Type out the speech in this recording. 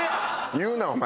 言うなお前。